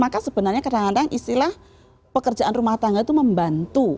maka sebenarnya kadang kadang istilah pekerjaan rumah tangga itu membantu